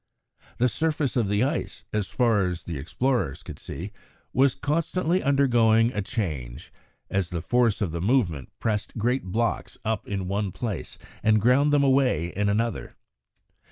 The surface of the ice, as far as the explorers could see, was constantly undergoing a change, as the force of the movement pressed great blocks up in one place, and ground them away in another.